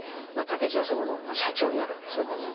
武市はそこの社長になるわけですね今度。